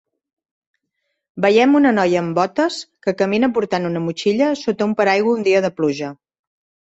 Veiem una noia amb botes que camina portant una motxilla sota un paraigua un dia de pluja